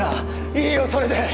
いいよそれで！